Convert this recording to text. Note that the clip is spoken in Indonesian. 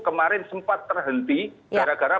kemarin sempat terhenti gara gara